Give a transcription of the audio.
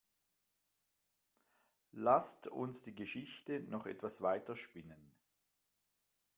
Lasst uns die Geschichte noch etwas weiter spinnen.